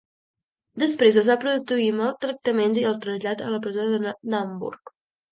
Després es van produir maltractaments i el trasllat a la presó de Naumburg.